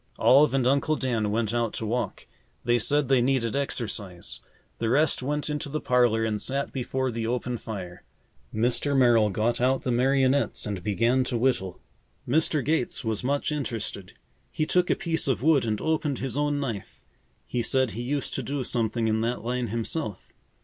Olive and Uncle Dan went out to walk. They said they needed exercise. The rest went into the parlor and sat before the open fire. Mr. Merrill got out the marionettes and began to whittle. Mr. Gates was much interested. He took a piece of wood and opened his own knife. He said he used to do something in that line himself.